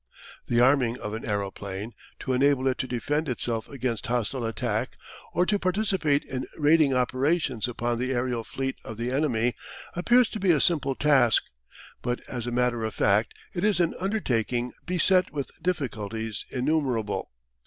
The arming of an aeroplane, to enable it to defend itself against hostile attack or to participate in raiding operations upon the aerial fleet of the enemy, appears to be a simple task, but as a matter of fact it is an undertaking beset with difficulties innumerable.